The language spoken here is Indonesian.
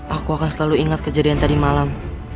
aku akan selalu ingat kejadian tadi malam